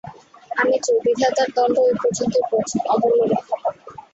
আমি চোর, বিধাতার দণ্ড ঐ পর্যন্তই পৌঁছক– অমূল্য রক্ষা পাক।